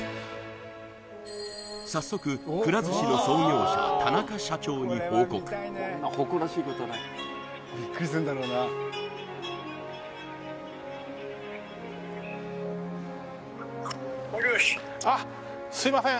早速くら寿司の創業者田中社長に報告あっすいません